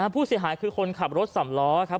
ผู้เสียหายคือคนขับรถสำล้อครับ